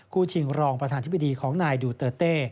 ชิงรองประธานธิบดีของนายดูเตอร์เต้